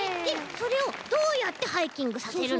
それをどうやってハイキングさせるの？